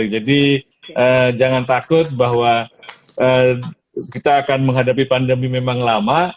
jadi jangan takut bahwa kita akan menghadapi pandemi memang lama